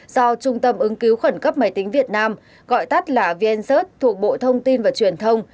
do trung tâm ứng cứu khẩn cấp máy tính việt nam gọi tắt là vncert thuộc bộ thông tin và truyền thông